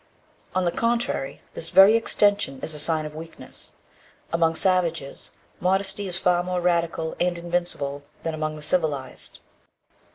On the contrary, this very extension is a sign of weakness. Among savages, modesty is far more radical and invincible than among the civilized.